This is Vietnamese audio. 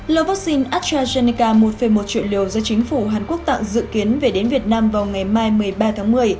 lô vaccine astrazeneca một một triệu liều do chính phủ hàn quốc tặng dự kiến về đến việt nam vào ngày mai một mươi ba tháng một mươi